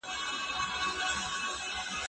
تاسو باید د مقالي لپاره یو منظم چوکاټ ولرئ.